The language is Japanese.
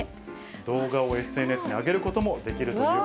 動画をＳＮＳに上げることもおもしろい。